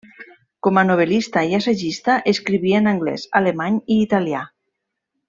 Com a novel·lista i assagista, escriví en anglès, alemany i italià.